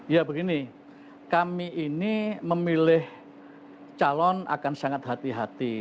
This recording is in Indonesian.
ya begini kami ini memilih calon akan sangat hati hati